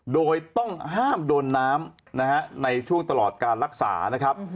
โดยต้องห้ามโดนน้ำนะฮะในช่วงตลอดการรักษานะครับ